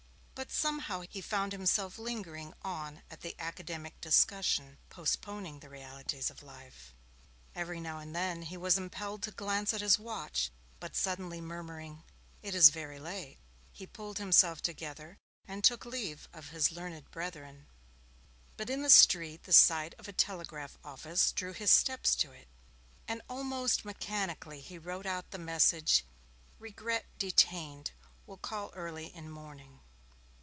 But somehow he found himself lingering on at the academic discussion, postponing the realities of life. Every now and again, he was impelled to glance at his watch; but suddenly murmuring, 'It is very late,' he pulled himself together, and took leave of his learned brethren. But in the street the sight of a telegraph office drew his steps to it, and almost mechanically he wrote out the message: 'Regret detained. Will call early in morning.'